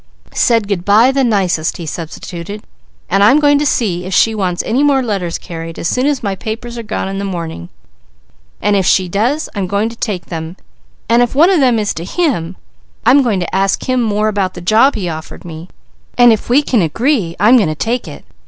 "Said good bye the nicest," he substituted. "And I'm going to see if she wants any more letters carried as soon as my papers are gone in the morning, and if she does, I'm going to take them, and if one is to him, I'm going to ask him more about the job he offered me, and if we can agree, I'm going to take it.